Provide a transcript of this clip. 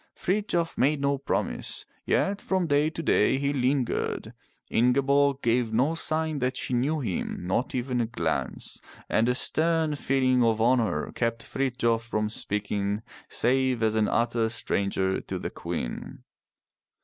Frithjof made no promise, yet from day to day he lingered. Ingeborg gave no sign that she knew him, not even a glance, and a stern feeling of honor kept Frithjof from speaking save as an utter stranger to the Queen.